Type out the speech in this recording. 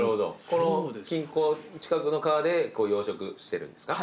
この近くの川で養殖してるんですか？